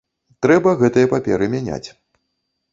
Трэба гэтыя паперы мяняць.